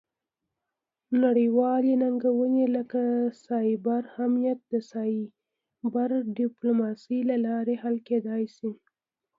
نړیوالې ننګونې لکه سایبر امنیت د سایبر ډیپلوماسي له لارې حل کیدی شي